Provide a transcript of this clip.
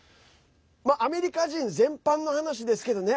アメリカ人全般の話ですけどね。